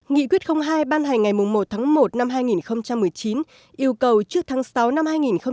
nghị quyết hai ban hành ngày một tháng một năm hai nghìn một mươi chín yêu cầu trước tháng sáu năm hai nghìn hai mươi